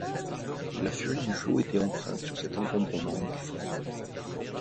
La furie du flot était empreinte sur cet encombrement difforme.